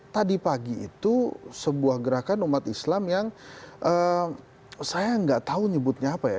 tadi pagi itu sebuah gerakan umat islam yang saya nggak tahu nyebutnya apa ya